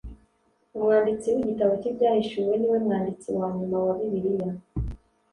Umwanditsi w’igitabo cy’ibyahishuwe niwe mwanditsi wa nyuma wa Bibiliya